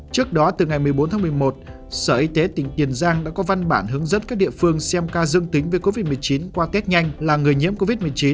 trước đó từ ngày một mươi bốn tháng một mươi một sở y tế tỉnh tiền giang đã có văn bản hướng dẫn các địa phương xem ca dương tính về covid một mươi chín qua test nhanh là người nhiễm covid một mươi chín